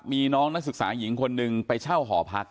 มีน้องนักศึกษาหญิงคนหนึ่งไปเช่าหอพัก